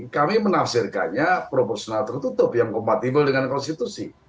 kami menafsirkannya proporsional tertutup yang kompatibel dengan konstitusi